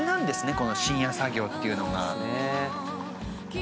この深夜作業っていうのが。ですね。